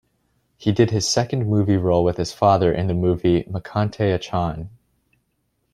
He did his second movie role with his father in the movie "Makante Achan".